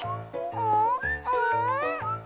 うん？